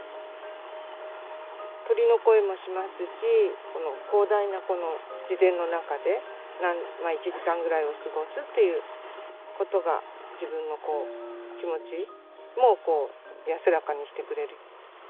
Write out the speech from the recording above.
鳥の声もしますしこの広大な自然の中で１時間ぐらいを過ごすっていう事が自分の気持ちも安らかにしてくれる。